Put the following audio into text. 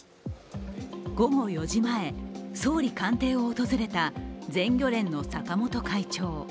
午後４時前、総理官邸を訪れた全漁連の坂本会長。